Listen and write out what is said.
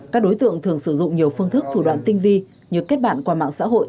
các đối tượng thường sử dụng nhiều phương thức thủ đoạn tinh vi như kết bạn qua mạng xã hội